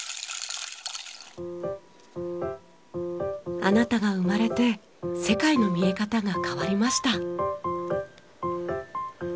あなたが生まれて世界の見え方が変わりました。